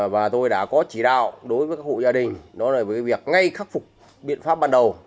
và tôi đã có chỉ đạo đối với các hộ gia đình đó là việc ngay khắc phục biện pháp ban đầu